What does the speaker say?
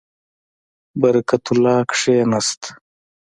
برکت الله کښېنست.